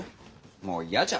もう嫌じゃ。